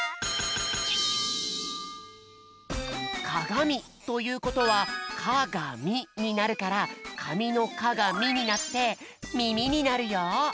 「かがみ」ということは「か」が「み」になるから「かみ」の「か」が「み」なって「みみ」になるよ。